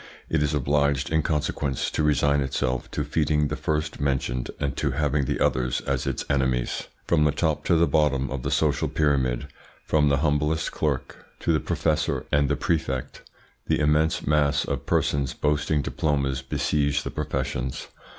It is obliged in consequence to resign itself to feeding the first mentioned and to having the others as its enemies. From the top to the bottom of the social pyramid, from the humblest clerk to the professor and the prefect, the immense mass of persons boasting diplomas besiege the professions.